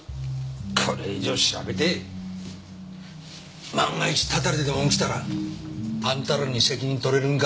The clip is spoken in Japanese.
これ以上調べて万が一たたりでも起きたらあんたらに責任取れるんか？